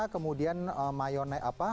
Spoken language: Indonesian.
kemudian mayonai apa